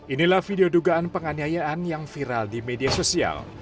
inilah video dugaan penganiayaan yang viral di media sosial